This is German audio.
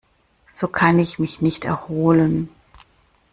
So kann ich mich nicht erholen.